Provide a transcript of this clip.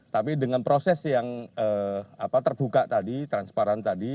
tapi dengan proses yang terbuka tadi transparan tadi